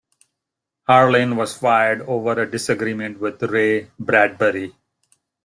Harlin was fired over a disagreement with Ray Bradbury.